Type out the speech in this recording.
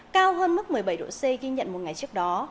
cao hơn mức một mươi bảy độ c ghi nhận một ngày trước đó